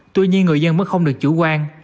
tuy nhiên người dân vẫn không được chủ quan